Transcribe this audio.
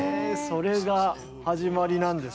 それが始まりなんで。